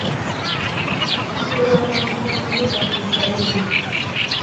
Okugobwa kwa mukwano gwe kwamuyisa bubi.